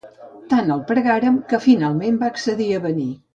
Tant el pregàrem, que finalment va accedir a venir.